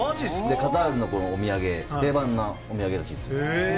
カタールの定番のお土産らしいです。